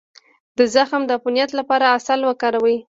د زخم د عفونت لپاره عسل وکاروئ